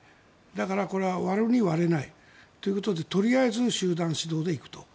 だから、これは割るに割れないということでとりあえず集団指導で行くと。